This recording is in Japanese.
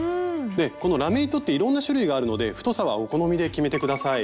このラメ糸っていろんな種類があるので太さはお好みで決めて下さい。